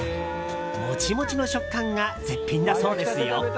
モチモチの食感が絶品だそうですよ。